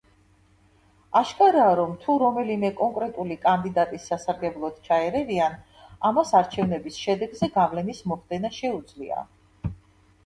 აშკარაა, რომ თუ რომელიმე კონკრეტული კანდიდატის სასარგებლოდ ჩაერევიან, ამას არჩევნების შედეგზე გავლენის მოხდენა შეუძლია.